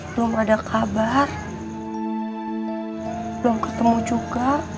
belum ada kabar belum ketemu juga